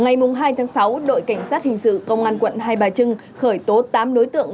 ngày hai tháng sáu đội cảnh sát hình sự công an quận hai bà trưng khởi tố tám đối tượng